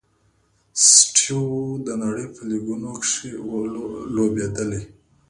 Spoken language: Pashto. سټیو و د نړۍ په لیګونو کښي لوبېدلی.